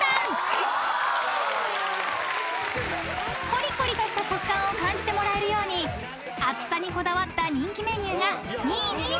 ［こりこりとした食感を感じてもらえるように厚さにこだわった人気メニューが２位にランクイン］